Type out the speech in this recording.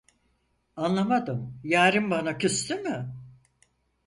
Anlamadım yârim bana küstü mü?